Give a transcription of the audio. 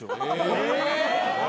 え！